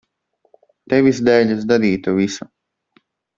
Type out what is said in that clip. Tevis dēļ es darītu visu.